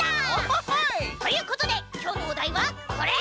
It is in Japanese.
ほほほい！ということできょうのおだいはこれ！